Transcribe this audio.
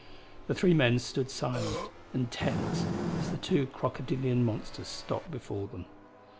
The three men stood silent and tense as the two crocodilian monsters stopped before them.